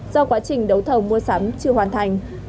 do quá trình đấu thầu mua sắm chưa hoàn thành